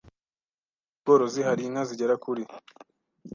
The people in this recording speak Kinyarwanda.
Ubworozi hari inka zigera kuri